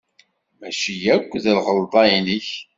Maci akk d lɣelḍa-nnek.